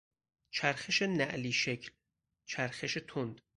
چرخش نعلی شکل، چرخش تند